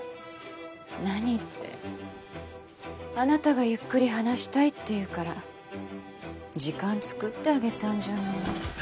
何ってあなたがゆっくり話したいって言うから時間作ってあげたんじゃない。